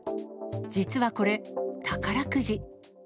実はこれ、宝くじ。